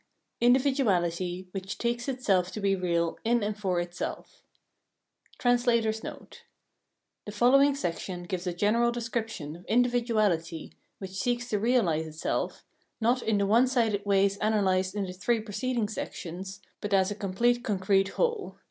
Individuality, which takes Itself to be Eeal IN AND FOR Itself [The following section gives a general description of individuality which seeks to realise itself, not in the one sided ways analysed in the three preceding sections, but as a complete concrete whole.